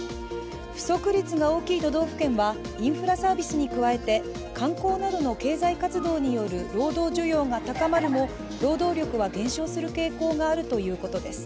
不足率が大きい都道府県はインフラサービスに加えて観光などの経済活動による労働需要が高まるも労働力は減少する傾向があるということです。